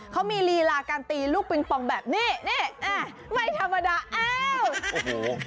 เค้ามีรีราการตีลูกปริ้งปองแบบนี้นี่อ่าไม่ธรรมดาเอ้า